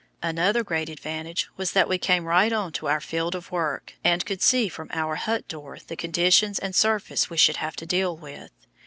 Another great advantage was that we came right on to our field of work, and could see from our hut door the conditions and surface we should have to deal with.